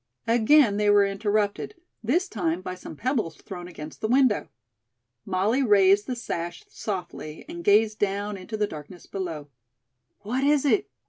Again they were interrupted. This time by some pebbles thrown against the window. Molly raised the sash softly and gazed down into the darkness below. "What is it?"